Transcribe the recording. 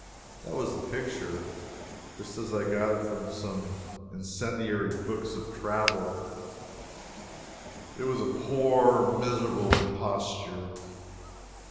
That was the picture, just as I got it from incendiary books of travel. It was a poor, miserable imposture.